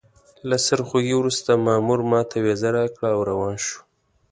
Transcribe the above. له سرخوږي وروسته مامور ماته ویزه راکړه او روان شوم.